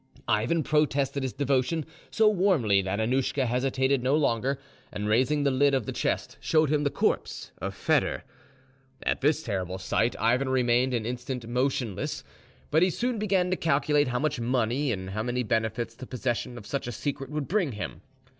Ivan protested his devotion so warmly that Annouschka hesitated no longer, and, raising the lid of the chest, showed him the corpse of Foedor. At this terrible sight Ivan remained an instant motionless, but he soon began to calculate how much money and how many benefits the possession of such a secret would bring him.